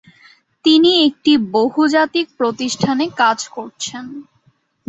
তিনি একটি বহুজাতিক প্রতিষ্ঠানে কাজ করছেন।